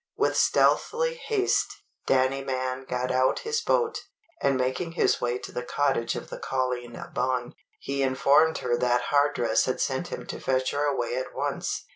With stealthy haste, Danny Mann got out his boat; and, making his way to the cottage of the Colleen Bawn, he informed her that Hardress had sent him to fetch her away at once.